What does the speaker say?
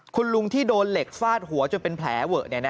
คุณลุงที่โดนเหล็กฟาดหัวจนเป็นแผลเวอะ